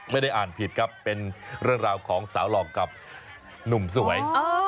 ไม่ได้อ่านผิดครับเป็นเรื่องราวของสาวหลอกกับหนุ่มสวย